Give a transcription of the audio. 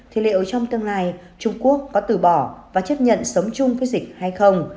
thì liệu trong tương lai trung quốc có từ bỏ và chấp nhận sống chung với dịch hay không